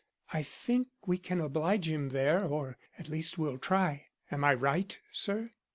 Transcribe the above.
I think we can oblige him there, or, at least, we'll try. Am I right, sir?"